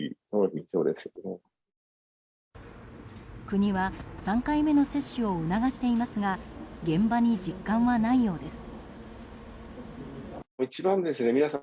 国は３回目の接種を促していますが現場に実感はないようです。